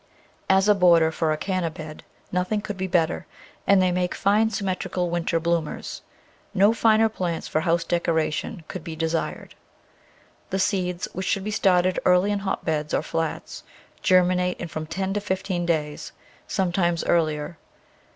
As a border for a Canna bed nothing could be better, and they make fine sym metrical winter bloomers. No finer plants for house decoration could be desired. The seeds, which should be started early in hotbeds or flats, germinate in from ten to fifteen days, some times earlier.